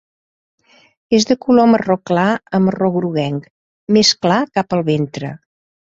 És de color marró clar a marró groguenc, més clar cap al ventre.